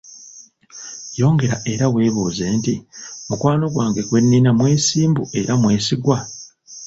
Yongera era weebuuze nti, mukwano gwange gwennina, mwesimbu era mwesigwa?